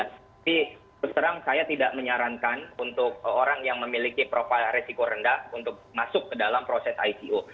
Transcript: tapi terus terang saya tidak menyarankan untuk orang yang memiliki profil resiko rendah untuk masuk ke dalam proses ico